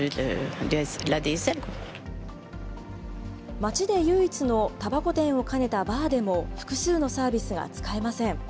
町で唯一のタバコ店を兼ねたバーでも複数のサービスが使えません。